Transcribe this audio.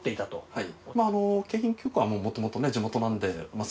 はい。